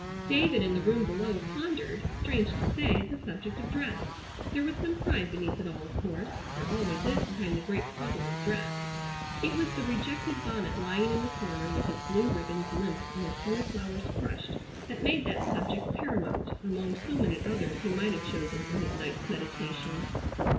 David in the room below pondered, strange to say, the subject of dress. There was some pride beneath it all, of course; there always is behind the great problem of dress. It was the rejected bonnet lying in the corner with its blue ribbons limp and its blue flowers crushed that made that subject paramount among so many others he might have chosen for his night's meditation.